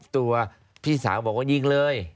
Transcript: ตัวพี่สาวบอกว่ายิงเลย